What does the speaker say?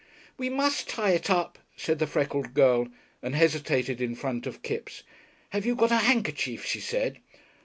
"We must tie it up," said the freckled girl, and hesitated in front of Kipps. "Have you got a handkerchief?" she said.